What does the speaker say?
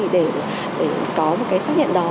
để có một cái xác nhận đó